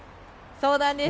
そうなんです。